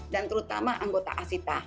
dan terutama anggota asita